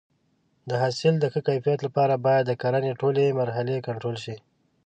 د حاصل د ښه کیفیت لپاره باید د کرنې ټولې مرحلې کنټرول شي.